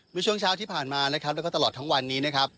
เมื่อช่วงเช้าที่ผ่านมานะครับแล้วก็ตลอดทั้งวันนี้นะครับ